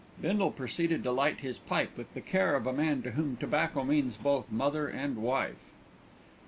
Bindle proceeded to light his pipe with the care of a man to whom tobacco means both mother and wife.